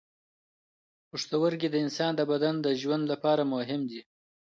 پښتورګي د انسان د بدن د ژوند لپاره مهم دي.